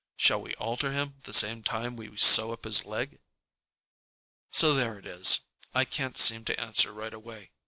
Shall we alter him the same time we sew up his leg?" So there it is. I can't seem to answer right away.